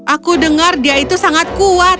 aku dengar dia itu sangat kuat